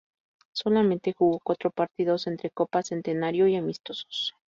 Solamente jugó cuatro partidos entre Copa Centenario y amistosos.